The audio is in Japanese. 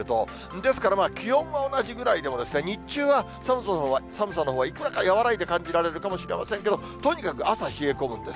ですから、気温は同じぐらいでも、日中は寒さのほうはいくらか和らいで感じられるかもしれませんけども、とにかく朝冷え込むんです。